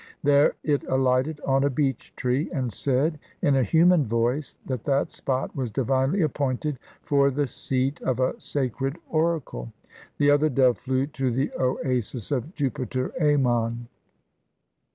There it aHghted on a beech tree, and said, in a human voice, that that spot was divinely appointed for the seat of a sacred oracle. The other dove flew to the Oasis of Jupiter Ammon.